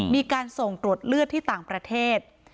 มีการส่งตรวจเลือดที่ต่างประเทศ